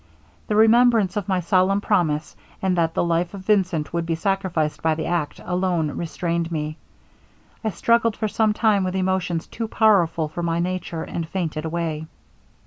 The remembrance of my solemn promise, and that the life of Vincent would be sacrificed by the act, alone restrained me. I struggled for some time with emotions too powerful for my nature, and fainted away.